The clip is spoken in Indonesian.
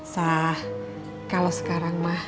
sah kalau sekarang mah